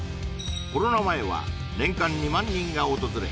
コロナ前は年間２万人が訪れ